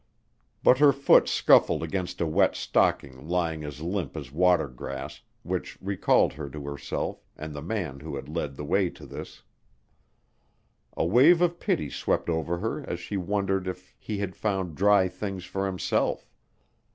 But her foot scuffled against a wet stocking lying as limp as water grass, which recalled her to herself and the man who had led the way to this. A wave of pity swept over her as she wondered if he had found dry things for himself.